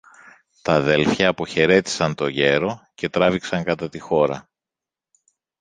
Τ' αδέλφια αποχαιρέτησαν το γέρο και τράβηξαν κατά τη χώρα.